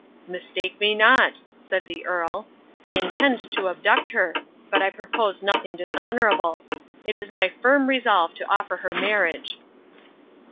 "Mistake me not," said the Earl, "I intend to abduct her. But I propose nothing dishonourable. It is my firm resolve to offer her marriage."